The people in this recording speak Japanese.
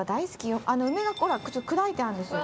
梅の砕いてあるんですよ。